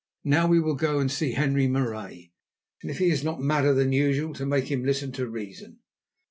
Now we will go and see Henri Marais, and, if he is not madder than usual, make him listen to reason."